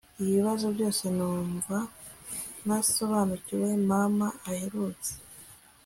ibibazo byose numva ntasobanukiwe Mama aherutse